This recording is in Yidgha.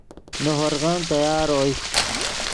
نے ہورغن تیار اوئے